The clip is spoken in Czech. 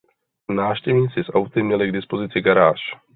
Návštěvníci s auty měli k dispozici garáž.